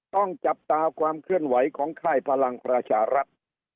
ต้องจับตาความเคลื่อนไหวของค่ายพลังประชารัฐ